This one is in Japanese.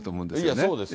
そうですよね。